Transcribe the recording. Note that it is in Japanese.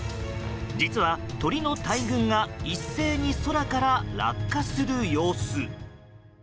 実は、鳥の大群が一斉に空から落下する様子。